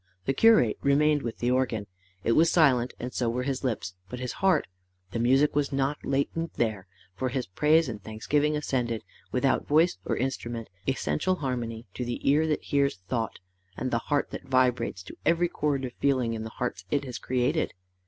The curate remained with the organ. It was silent, and so were his lips, but his heart the music was not latent there, for his praise and thanksgiving ascended, without voice or instrument, essential harmony, to the ear that hears thought, and the heart that vibrates to every chord of feeling in the hearts it has created.